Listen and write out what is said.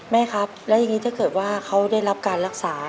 แม่ครับแล้วอย่างนี้ถ้าเกิดว่าเขาได้รับการรักษา